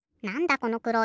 このくろいの。